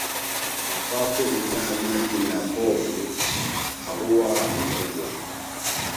Mapafu hujaa maji na povu na huwa makubwa